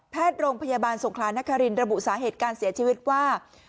โรงพยาบาลสงครานครินระบุสาเหตุการเสียชีวิตว่า